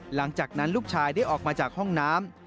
หลังจากนั้นลูกชายได้ออกมาจากห้องน้ำ